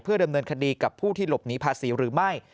ดำเนินคดีกับผู้ที่หลบหนีภาษีหรือไม่